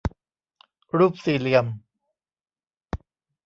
รูปสี่เหลี่ยม